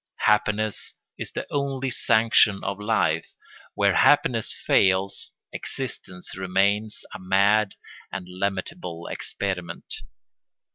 Happiness is the only sanction of life; where happiness fails, existence remains a mad and lamentable experiment.